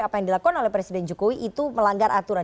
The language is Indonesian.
apa yang dilakukan oleh presiden jokowi itu melanggar aturan